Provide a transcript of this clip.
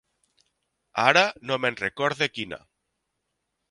Ara no me’n recorde quina.